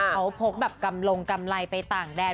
เขาพกแบบกำลงกำไรไปต่างแดน